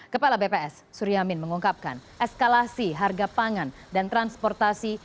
kepala bps suryamin mengungkapkan eskalasi harga pangan dan transportasi